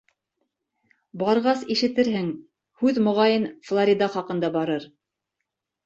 Барғас, ишетерһең, һүҙ, моғайын, Флорида хаҡында барыр...